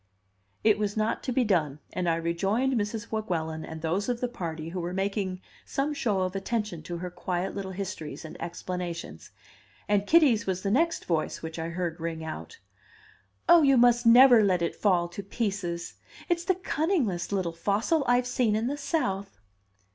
'" It was not to be done, and I rejoined Mrs. Weguelin and those of the party who were making some show of attention to her quiet little histories and explanations; and Kitty's was the next voice which I heard ring out "Oh, you must never let it fall to pieces! It's the cunningest little fossil I've seen in the South."